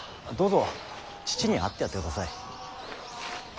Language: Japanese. どうぞ父に会ってやってください。